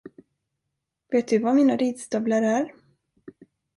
Vet du var mina ridstövlar är?